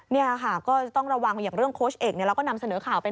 นี่ค่ะก็จะต้องระวังอย่างเรื่องโค้ชเอกเราก็นำเสนอข่าวไป